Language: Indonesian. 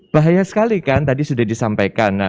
bahaya sekali kan tadi sudah disampaikan